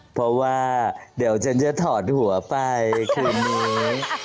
เพราะว่าเดี๋ยวฉันจะถอดหัวไปคืนนี้